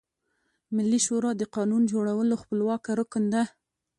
ملي شورا د قانون جوړولو خپلواکه رکن ده.